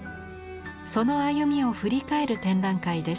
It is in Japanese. その歩みを振り返る展覧会です。